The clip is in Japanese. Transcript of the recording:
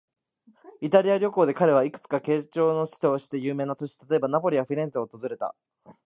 イタリア旅行で彼は、いくつか景勝の地として有名な都市、例えば、ナポリやフィレンツェを訪れた。